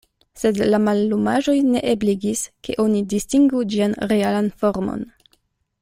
Sed la mallumaĵoj ne ebligis, ke oni distingu ĝian realan formon.